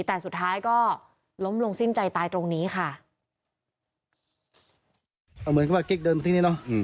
แต่สุดท้ายก็ล้มลงสิ้นใจตายตรงนี้ค่ะเอาเหมือนกับว่ากิ๊กเดินมาที่นี่เนอะ